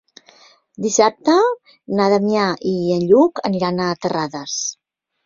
Dissabte na Damià i en Lluc aniran a Terrades.